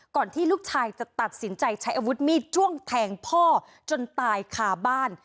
ที่ลูกชายจะตัดสินใจใช้อาวุธมีดจ้วงแทงพ่อจนตายคาบ้าน